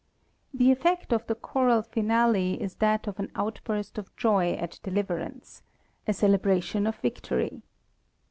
The effect of the Choral Finale is that of an outburst of joy at deliverance, a celebration of victory.